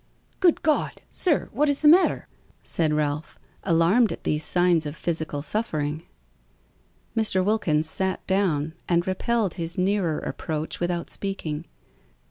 "Good God! sir, what is the matter?" said Ralph, alarmed at these signs of physical suffering. Mr. Wilkins sat down, and repelled his nearer approach without speaking.